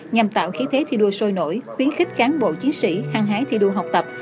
nhằm tạo khí thế thi đua sôi nổi khuyến khích cán bộ chiến sĩ hăng hái thi đua học tập